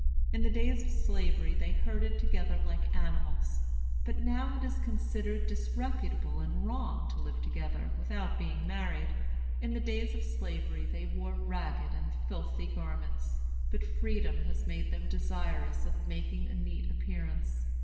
In the days of Slavery they herded together like animals; but now it is considered disreputable and wrong to live together without being married. In the days of Slavery they wore ragged and filthy garments, but freedom has made them desirous of making a neat appearance.